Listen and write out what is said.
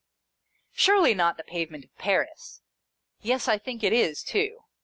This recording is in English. Surely, not the pavement of Paris 1 Yes, I think it is, too.